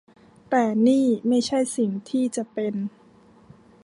แต่นี่ไม่ใช่สิ่งที่จะเป็น